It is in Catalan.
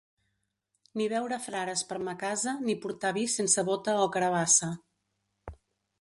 Ni veure frares per ma casa, ni portar vi sense bota o carabassa.